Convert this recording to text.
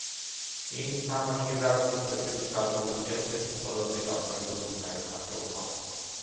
წინ თამაში რაგბის წესების დარღვევის ერთ-ერთი ყველაზე გავრცელებული ნაირსახეობაა.